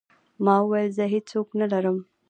ما وويل زه هېڅ څوک نه لرم.